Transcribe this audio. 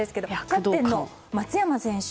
キャプテンの松山選手